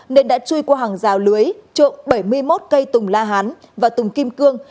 nên đã truy qua hàng rào lưới trộm bảy mươi một cây tùng la hán và tùng kim cương